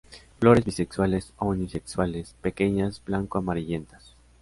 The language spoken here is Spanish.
Flores bisexuales o unisexuales; pequeñas, blanco-amarillentas.